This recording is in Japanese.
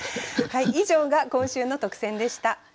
以上が今週の特選でした。